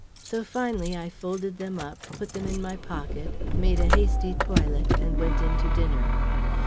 So, finally, I folded them up, put them in my pocket, made a hasty toilet, and went in to dinner.